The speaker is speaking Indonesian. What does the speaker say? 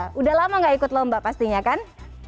sudah lama gak ikut lomba pastinya kan